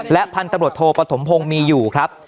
พันธุ์ตำรวจโทปฐมพงศ์มีอยู่ครับ